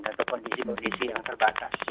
atau kondisi kondisi yang terbatas